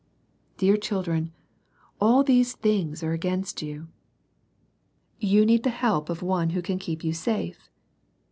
Dear children, all these things are against you. You need the help of One who can keep you safe.